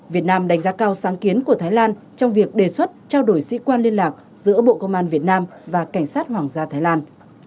việt nam đánh giá cao sáng kiến của thái lan trong việc đề xuất trao đổi sĩ quan liên lạc giữa bộ công an việt nam và cảnh sát hoàng gia thái lan